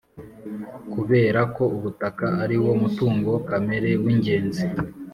Kubera ko ubutaka ariwo mutungo kamere w’ingenzi